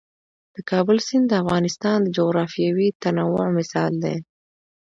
د کابل سیند د افغانستان د جغرافیوي تنوع مثال دی.